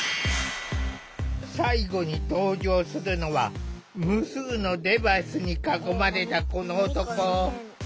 最後に登場するのは無数のデバイスに囲まれたこの男。